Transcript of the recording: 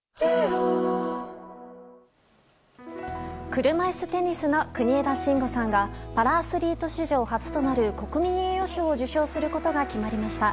車いすテニスの国枝慎吾さんがパラアスリート史上初となる国民栄誉賞を受賞することが決まりました。